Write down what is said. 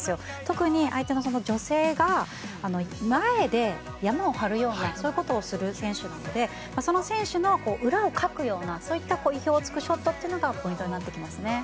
特に相手の女性が前でヤマを張るようなそういうことをする選手なのでその選手の裏をかくような意表を突くショットがポイントになりますね。